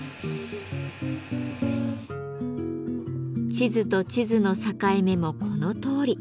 地図と地図の境目もこのとおり。